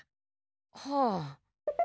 はあ。